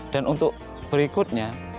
dan untuk berikutnya